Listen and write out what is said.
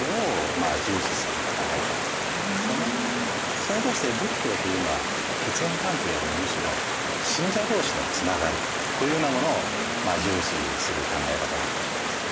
それに対して仏教というのは血縁関係よりもむしろ信者同士のつながりというようなものを重視する考え方だったわけです。